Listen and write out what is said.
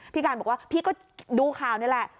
พี่การบอกว่าพี่ก็ดูข่าวนี่แหละ